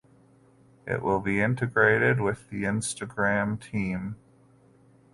It will be integrated with the Instagram team.